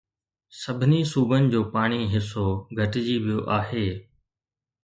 سڀني صوبن جو پاڻي حصو گهٽجي ويو آهي